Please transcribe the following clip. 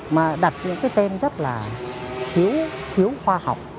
mà đặt những cái tên rất là thiếu khoa học